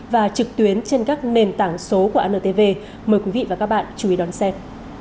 và trực tuyến trên các nền tảng số của antv mời quý vị và các bạn chú ý đón xem